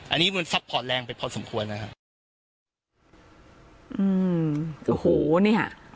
อันนี้มันซัพพอตแรงไปพอสมควรนะครับ